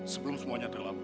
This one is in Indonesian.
sebelum semuanya terlambat